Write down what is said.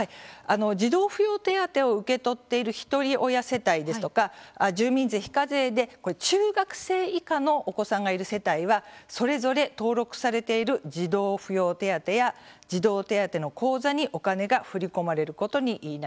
児童扶養手当を受け取っているひとり親世帯ですとか住民税非課税で中学生以下のお子さんがいる世帯はそれぞれ登録されている児童扶養手当や児童手当の口座にお金が振り込まれることになります。